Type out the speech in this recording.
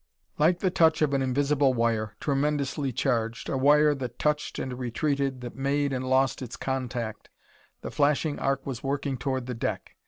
Like the touch of a invisible wire, tremendously charged, a wire that touched and retreated, that made and lost its contact, the flashing arc was working toward the deck.